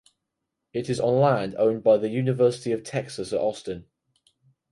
It is on land owned by the University of Texas at Austin.